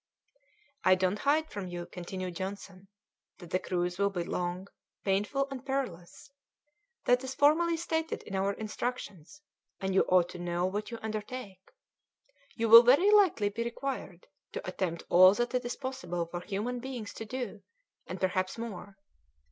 "I don't hide from you," continued Johnson, "that the cruise will be long, painful, and perilous; that is formally stated in our instructions, and you ought to know what you undertake; you will very likely be required to attempt all that it is possible for human beings to do, and perhaps more.